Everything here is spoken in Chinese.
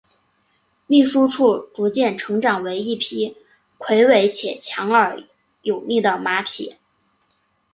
秘书处逐渐成长为一匹魁伟且强而有力的马匹。